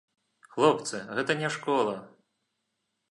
Хлопцы, гэта не школа.